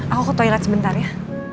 aku ke toilet sebentar ya